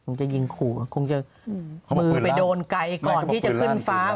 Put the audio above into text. มันจะยิงขู่กลมไปโดนไก่ก่อนที่จะขึ้นฟ้า